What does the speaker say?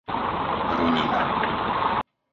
Runina